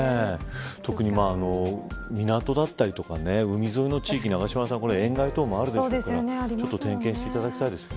特に、港だったり海沿いの地域永島さん沿岸ともあるでしょうから点検していただきたいですね。